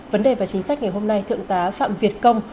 vấn đề và chính sách ngày hôm nay thượng tá phạm việt công